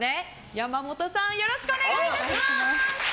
山本さん、よろしくお願いします。